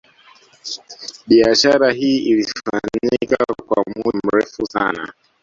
Biashara hii ilifanyika kwa muda mrefu sana